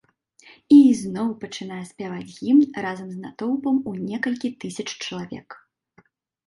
І ізноў пачынае спяваць гімн разам з натоўпам у некалькі тысяч чалавек.